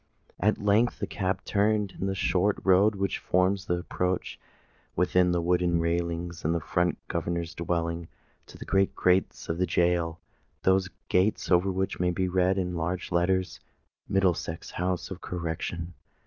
At length the cab turned into the short road which forms the approach, within the wooden railings in front of the governor's dwelling, to the great gates of the gaol,—those gates over which may be read in large letters, "MIDDLESEX HOUSE OF CORRECTION."